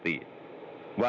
kita harus saling menghormati